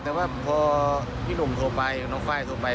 แต่พอพี่หนุ่มโทรไปน้องฟ้ายโทรไป